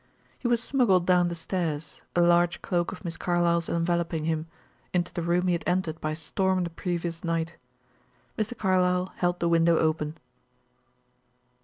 He was smuggled down the stairs, a large cloak of Miss Carlyle's enveloping him, into the room he had entered by storm the previous night. Mr. Carlyle held the window open.